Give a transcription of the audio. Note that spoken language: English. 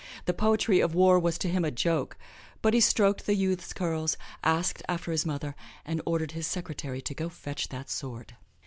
The poetry of war was to him a joke. But he stroked the youth's curls, asked after his mother, and ordered his secretary to go fetch that sword.